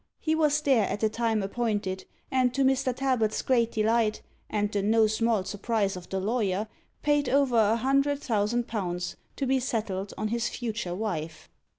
He was there at the time appointed, and, to Mr. Talbot's great delight, and the no small surprise of the lawyer, paid over a hundred thousand pounds, to be settled on his future wife.